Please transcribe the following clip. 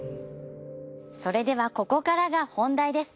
それではここからが本題です。